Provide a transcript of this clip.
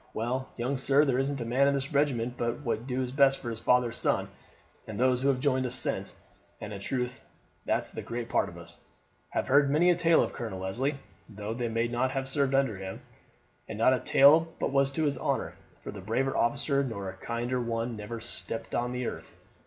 Well, young sir, there isn't a man in the regiment but wad do his best for your father's son, for those who have joined us since, and in truth that's the great part of us, have heard many a tale of Colonel Leslie, though they may not have served under him, and not a tale but was to his honour, for a braver officer nor a kinder one never stepped the earth.